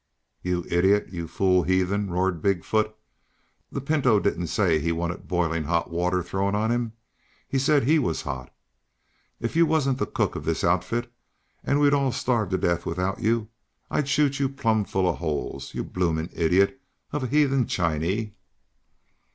"You idiot! You fool heathen!" roared Big foot. "The Pinto didn't say he wanted boiling hot water thrown on him. He said he was hot. If you wasn't the cook of this outfit, and we'd all starve to death without you, I'd shoot you plumb full of holes, you blooming idiot of a heathen Chinee!"